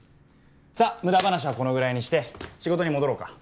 さあ無駄話はこのぐらいにして仕事に戻ろうか。